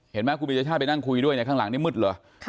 เห็นมั้ยคุณบิจชาติไปนั่งคุยด้วยในข้างหลังมืดเหรอ